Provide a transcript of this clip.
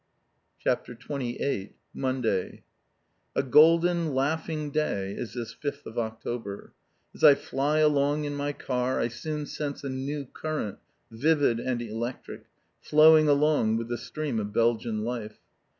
_ CHAPTER XXVIII MONDAY A golden, laughing day is this 5th of October. As I fly along in my car I soon sense a new current, vivid and electric, flowing along with the stream of Belgian life.